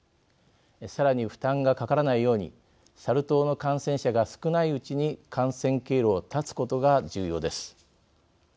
さらに、負担がかからないようにサル痘の感染者が少ないうちに感染経路を断つことが重要です。